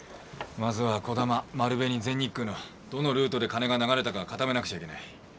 まずは児玉丸紅全日空のどのルートで金が流れたか固めなくちゃいけない。